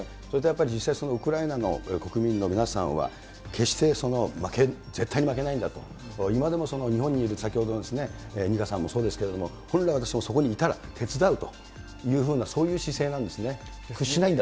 それとやっぱり実際、そのウクライナの国民の皆さんは、決して負ける、絶対に負けないんだと、今でも日本にいる先ほどの虹夏さんもそうですけれども、本来、私もそこいたら、手伝うというふうなそういう姿勢なんですね。